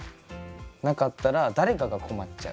なかったら誰かが困っちゃう。